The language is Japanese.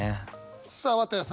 さあ綿矢さん